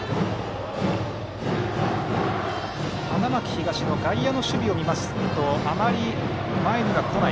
花巻東の外野の守備を見ますとあまり前には来ない。